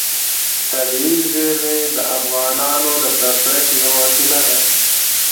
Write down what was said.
طبیعي زیرمې د افغانانو د تفریح یوه وسیله ده.